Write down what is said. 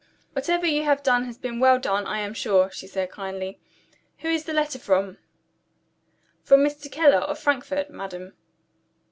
"Whatever you have done has been well done, I am sure," she said kindly. "Who is the letter from?" "From Mr. Keller, of Frankfort, madam."